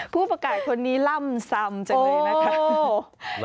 ผู้ประกาศคนนี้ล่ำซำจังเลยนะคะ